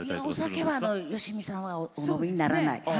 お酒はよしみさんはお飲みにならない。